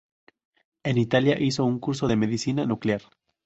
En Italia hizo un curso de medicina nuclear.